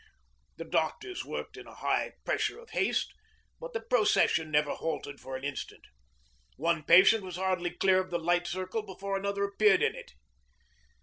The doctors worked in a high pressure of haste, but the procession never halted for an instant; one patient was hardly clear of the light circle before another appeared in it.